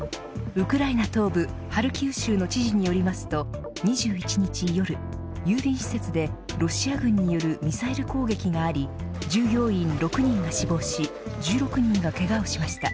ウクライナ東部ハルキウ州の知事によりますと２１日夜郵便施設でロシア軍によるミサイル攻撃があり従業員６人が死亡し、１６人がけがをしました。